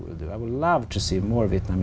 cũng như việc sản phẩm